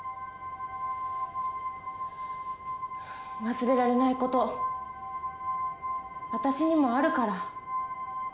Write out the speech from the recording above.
忘れられないこと私にもあるから。